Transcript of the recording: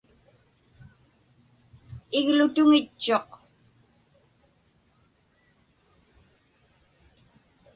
Iglutuŋitchuq.